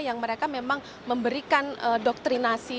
yang mereka memang memberikan doktrinasi